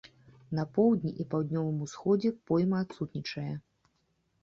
На поўдні і паўднёвым усходзе пойма адсутнічае.